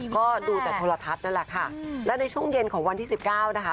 ก็ดูแต่ธุระทับนั่นแหละค่ะและในช่วงเย็นของวันที่๑๙นะคะ